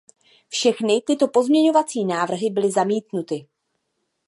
Všechny tyto pozměňovací návrhy byly zamítnuty.